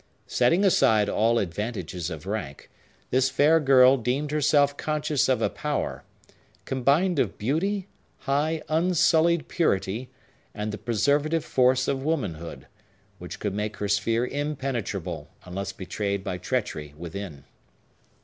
Setting aside all advantages of rank, this fair girl deemed herself conscious of a power—combined of beauty, high, unsullied purity, and the preservative force of womanhood—that could make her sphere impenetrable, unless betrayed by treachery within.